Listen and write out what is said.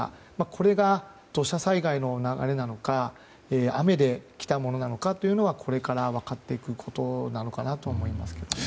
これが土砂災害の流れなのか雨で来たものなのかはこれから分かってくることかと思いますけどね。